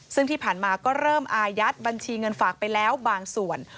ซึ่งที่ผ่านมาก็เริ่มอายัดบัญชีเงินฝากไปแล้วบางส่วน